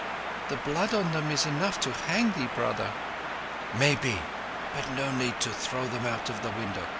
"The blood on them is enough to hang thee, brother." "Maybe; but no need to throw them out of the window